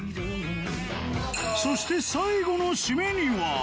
そして最後の締めには